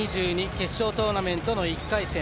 決勝トーナメントの１回戦。